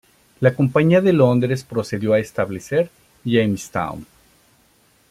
La Compañía de Londres procedió a establecer Jamestown.